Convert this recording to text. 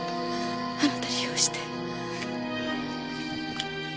あなた利用して。